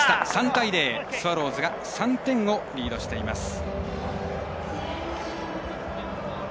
３対０スワローズが３点をリードしています。